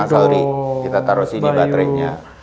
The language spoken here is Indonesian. maka auri kita taro sini baterainya